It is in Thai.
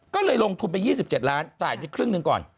ก็เลยลงทุนไป๒๗ล้านจ่ายไปครึ่งหนึ่งก่อน